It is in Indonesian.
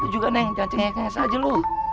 juga neng jangan cengih cengih saja lu